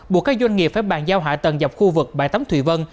buộc các doanh nghiệp phải bàn giao hạ tầng dọc khu vực bãi tấm thủy vân